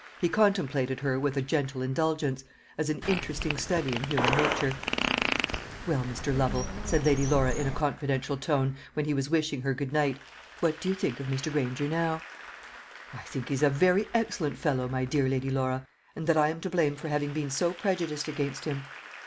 He contemplated her with a gentle indulgence, as an interesting study in human nature. "Well, Mr. Lovel," said Lady Laura in a confidential tone, when he was wishing her good night, "what do you think of Mr. Granger now?" "I think he is a very excellent fellow, my dear Lady Laura; and that I am to blame for having been so prejudiced against him."